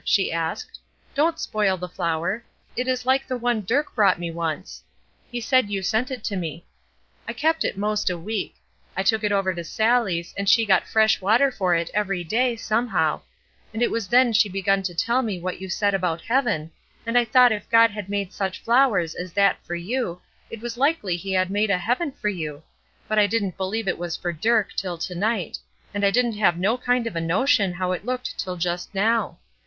she asked. "Don't spoil the flower; it is like the one Dirk bought me once. He said you sent it to me. I kept it most a week. I took it over to Sallie's, and she got fresh water for it every day, somehow; and it was then she begun to tell me what you said about heaven, and I thought if God had made such flowers as that for you, it was likely he had made a heaven for you; but I didn't believe it was for Dirk till to night, and I didn't have no kind of a notion how it looked till just now.